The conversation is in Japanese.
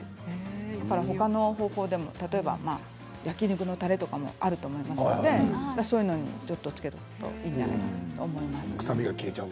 ほかの方法でも例えば焼き肉のたれとかもあると思いますのでそういうものにちょっと漬けておくといいんじゃないかなと思います。